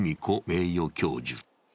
名誉教授